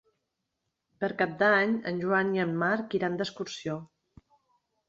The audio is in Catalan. Per Cap d'Any en Joan i en Marc iran d'excursió.